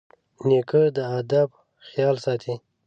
نیکه د ادب خیال ساتي.